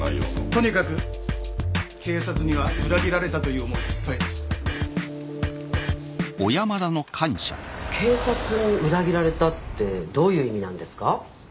とにかく警察には裏切られたという思いでいっぱいです警察に裏切られたってどういう意味なんですか？